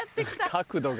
角度が。